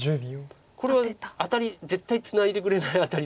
これはアタリ絶対ツナいでくれないアタリです。